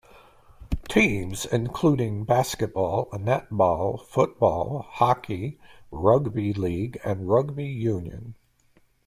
Teams include: Basketball, Netball, Football, Hockey, Rugby League and Rugby Union.